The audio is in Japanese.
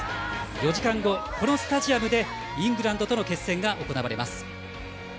４時間後、このスタジアムでイングランドとの決戦が行われます。